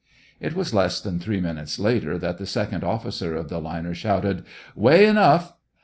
It was less than three minutes later that the second officer of the liner shouted, "Way enough!"